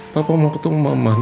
papa mau ketemu mama